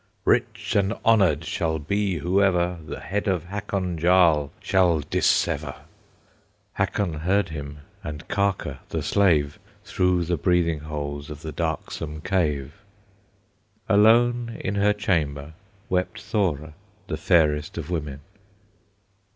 "Rich and honored shall be whoever The head of Hakon Jarl shall dissever!" Hakon heard him, and Karker the slave, Through the breathing holes of the darksome cave. Alone in her chamber Wept Thora, the fairest of women.